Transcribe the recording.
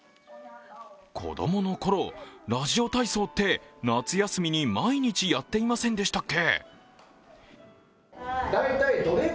子供のころ、ラジオ体操って夏休みに毎日やっていませんでしたっけ？